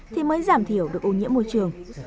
để làm thiểu được ô nhiễm môi trường